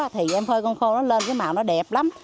thì em phơi con khô nó lên cái màu nó đẹp lắm